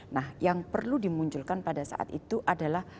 nah yang perlu dimunculkan pada saat itu adalah